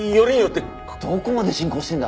どこまで進行してるんだ？